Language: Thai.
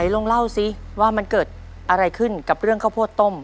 ลองเล่าสิว่ามันเกิดอะไรขึ้นกับเรื่องข้าวโพดต้ม